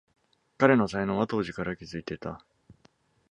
彼の才能は当時から気づいていた